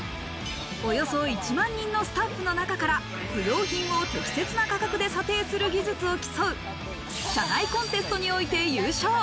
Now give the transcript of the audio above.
およそ１万人のスタッフの中から不要品を適切な価格で査定する技術を競う、社内コンテストにおいて優勝。